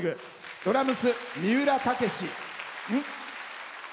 ドラムス、三浦剛志。